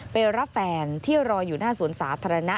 ไปรับแฟนที่รออยู่หน้าสวนสาธารณะ